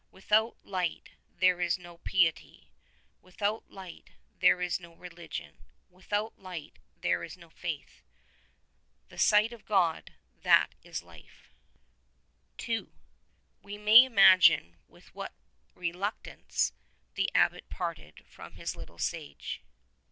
"Without light there is no piety." "Without light there is no religion." "Without light there is no faith." "The sight of God, that is light" II. We may imagine with what reluctance the Abbot parted from his little Sage.